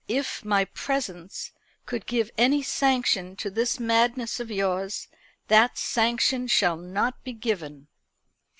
If my presence could give any sanction to this madness of yours, that sanction shall not be given."